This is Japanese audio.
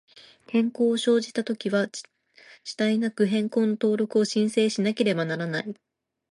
変更を生じたときは、遅滞なく、変更の登録を申請しなければならない。